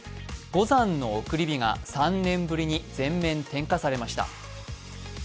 五山送り火が３年ぶりに全面点火されました。